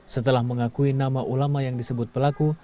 setelah mengakui nama ulama yang disebut pelaku